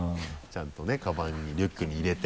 ちゃんとねカバンにリュックに入れて。